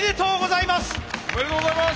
おめでとうございます！